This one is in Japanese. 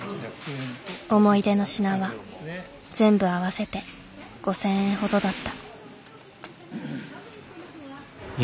思い出の品は全部合わせて５，０００円ほどだった。